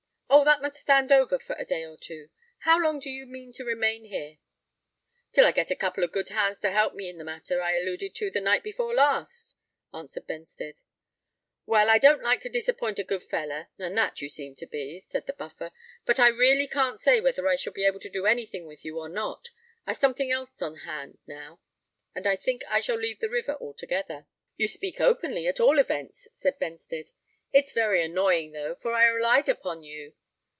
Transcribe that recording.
"Oh! that must stand over for a day or two. How long do you mean to remain here?" "Till I get a couple of good hands to help me in the matter I alluded to the night before last," answered Benstead. "Well, I don't like to disappoint a good feller—and that you seem to be," said the Buffer, "but I really can't say whether I shall be able to do any thing with you, or not. I've something else on hand now—and I think I shall leave the river altogether." "You speak openly at all events," said Benstead. "It's very annoying, though; for I relied upon you.